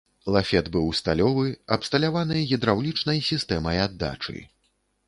Лафет быў сталёвы, абсталяваны гідраўлічнай сістэмай аддачы.